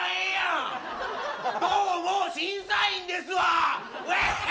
どうも審査員いいんですわ。